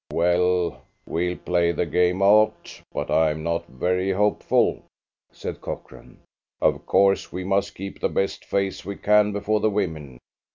"Well, we'll play the game out, but I'm not very hopeful," said Cochrane. "Of course, we must keep the best face we can before the women.